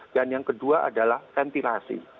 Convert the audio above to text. yang kedua adalah ventilasi